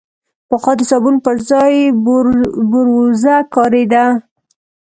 پخوا د صابون پر ځای بوروزه کارېده.